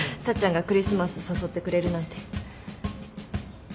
タッちゃんがクリスマス誘ってくれるなんて。